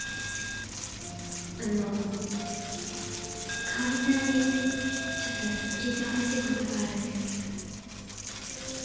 あの香さんにちょっと聞いてほしいことがあるんですけど。